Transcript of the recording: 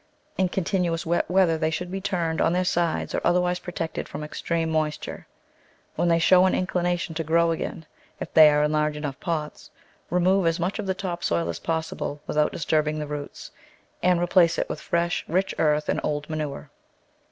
In continuous wet weather they should be turned on their sides or otherwise protected from extreme moist ure. When they show an inclination to grow again, if they are in large enough pots, remove as much of the top soil as possible without disturbing the roots, and replace it with fresh, rich earth and old manure.